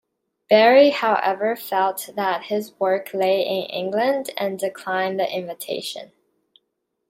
Berry, however, felt that his work lay in England and declined the invitation.